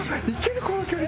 この距離。